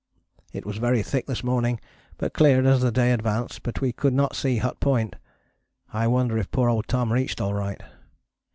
It was very thick this morning but cleared as the day advanced, but we could not see Hut Point. I wonder if poor old Tom reached alright.